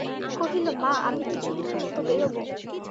কহিল, মা, আমি কিছুদিনের মতো বেরোব।